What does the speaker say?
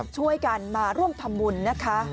ช่วยกันมาร่วมทำบุญนะคะ